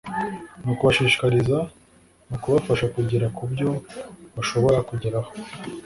nukubashishikariza. ni ukubafasha kugera ku byo bashobora kugeraho